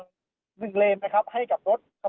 กินดอนเมืองในช่วงเวลาประมาณ๑๐นาฬิกานะครับ